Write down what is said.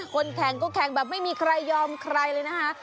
คนแข่งก็แข่งแบบไม่มีใครยอมใครเลยนะคะ